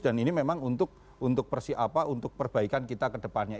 dan ini memang untuk persiapa untuk perbaikan kita ke depannya